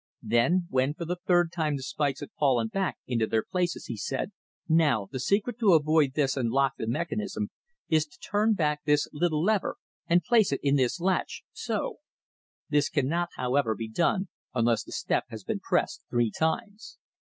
Then, when for the third time the spikes had fallen back into their places, he said: "Now the secret to avoid this and lock the mechanism is to turn back this little lever and place it in this catch, so. This cannot, however, be done unless the step has been pressed three times."